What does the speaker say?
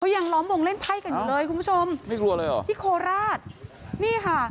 ยังล้อมวงเล่นไพ่กันอยู่เลยคุณผู้ชมไม่กลัวเลยเหรอที่โคราชนี่ค่ะ